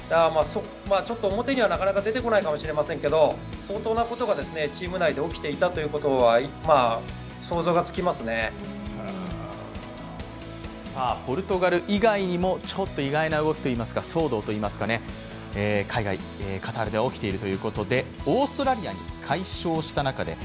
ちょっと表にはなかなか出てこないかもしれませんけれども相当なことがチーム内で起きていたということはポルトガル以外にも、ちょっと意外な動きといいますか騒動といいますか、海外、カタールで起きています。